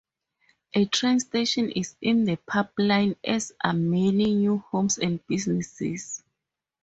A train station is in the pipeline as are many new homes and businesses.